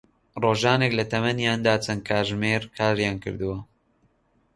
ڕۆژانێک لە تەمەنیاندا چەند کاتژمێر کاریان کردووە